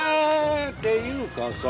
っていうかさ